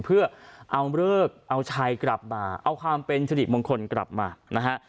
เพื่อเอาเลิกเอาชัยกลับมาเอาความเป็นสิริมงคลกลับมานะฮะ